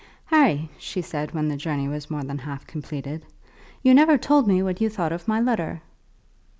"Harry," she said, when the journey was more than half completed, "you never told me what you thought of my letter."